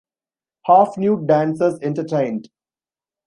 Half-nude dancers entertained.